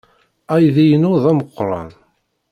Aydi-inu d ameqran.